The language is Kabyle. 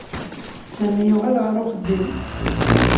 Sami yuɣal ɣer uxeddim.